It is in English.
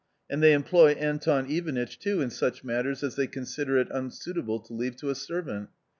And they employ Anton Ivanitch, too, in such matters as they consider it unsuitable to leave to a servant.